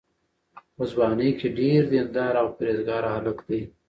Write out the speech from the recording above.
په ځوانۍ کې ډېر دینداره او پرهېزګاره هلک دی.